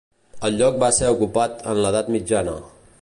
El lloc va ser ocupat en l'edat mitjana.